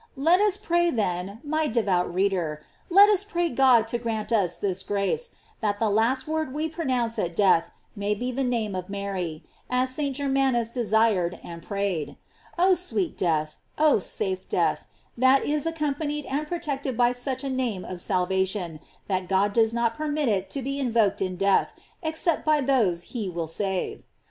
* Let us pray, then, my devout reader, let us pray God to grant us this grace, that the last word we pro nounce at death may be the name of Mary; as St. Germanus desired and prayed. f Oh sweet death, oh safe death, that is accompanied and protected by such a name of salvation, that God does not permit it to be invoked in death, except by those whom he will save!